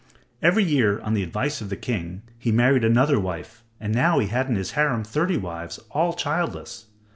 Every year, on the advice of the king, he married another wife, and now he had in his harem thirty wives, all childless.